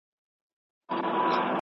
وایه راته وایه د لیلی غمونه څنګه وو؟